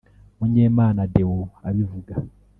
Munyemana Deo abivuga